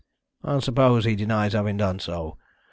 "And suppose he denies having done so?